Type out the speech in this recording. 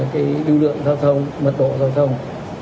cái lưu lượng giao thông mật độ giao thông